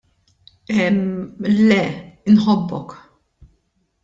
" Emm, le, inħobbok. "